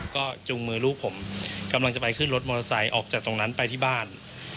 ก็จุงมือลูกผมกำลังจะไปขึ้นรถมอเตอร์ไซค์ออกจากตรงนั้นไปที่บ้าน